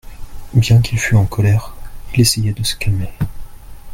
Bien qu'il fût en colère, il essayait de se calmer.